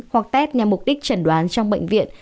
hoặc test nhằm mục đích chẩn đoán trong bệnh viện